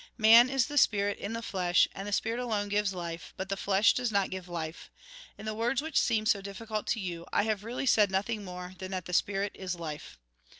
Man is the spirit in the flesh, and the spirit alone gives life, but the flesh does not give life. In the words which seem so difficult to you, I have really said nothing more than that the spirit is life."